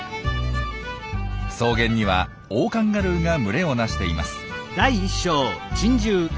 草原にはオオカンガルーが群れをなしています。